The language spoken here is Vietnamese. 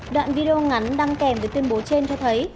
đoạn video ngắn đăng kèm với tuyên bố trên cho thấy